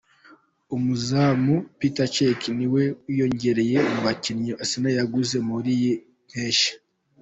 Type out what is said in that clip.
Umuzamu Petr Cech ni we wiyongereye mu bakinnyi Arsenal yaguze muri iyi mpeshyi.